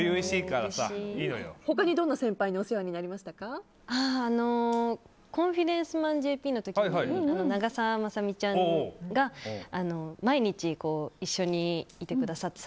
他にどんな先輩に「コンフィデンスマンＪＰ」の時に長澤まさみちゃんが毎日一緒にいてくださって。